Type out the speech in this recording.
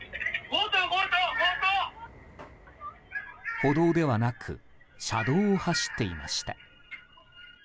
歩道ではなく車道を走っていました。